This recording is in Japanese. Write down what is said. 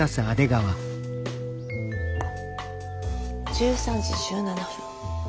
１３時１７分。